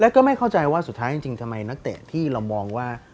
แล้วก็ไม่เข้าใจว่าสุดท้ายจริงทำไมนักเตะที่เรามองว่า